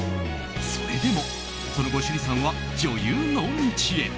それでも、その後趣里さんは女優の道へ。